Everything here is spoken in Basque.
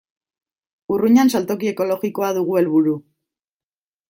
Urruñan saltoki ekologikoa dugu helburu.